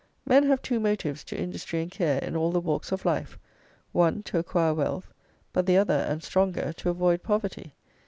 Men have two motives to industry and care in all the walks of life: one, to acquire wealth; but the other and stronger, to avoid poverty.